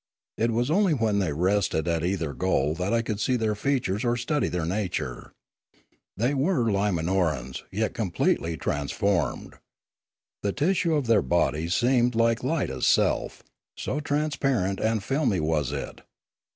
It was only when they rested at either goal that I could see their features or study their nature. They were Limanorans, yet completely transformed. The tissue of their bodies seemed like light itself, so transparent and filmy was it.